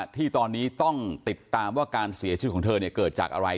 ที่ตอนนี้ต้องติดตามว่าการเสียชีวิตของเธอเกิดจากอะไร